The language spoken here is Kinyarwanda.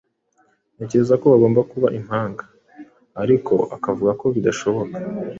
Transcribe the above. Ntekereza ko bagomba kuba impanga, ariko akavuga ko bidashoboka.